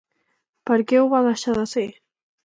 Per què ho va deixar de ser?